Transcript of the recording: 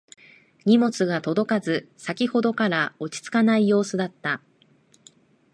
荷物が届かず先ほどから落ち着かない様子だった